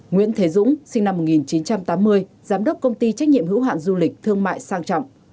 nguyễn thế dũng sinh năm một nghìn chín trăm tám mươi giám đốc công ty trách nhiệm hữu hạn du lịch thương mại sang trọng